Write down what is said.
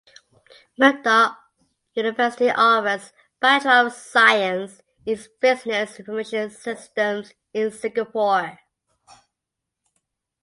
Murdoch University offers Bachelor of Science in Business Information Systems in Singapore.